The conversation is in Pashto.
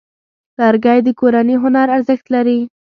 لرګی د کورني هنر ارزښت لري.